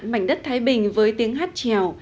mảnh đất thái bình với tiếng hát trèo